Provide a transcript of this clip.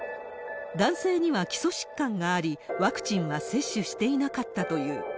男性には基礎疾患があり、ワクチンは接種していなかったという。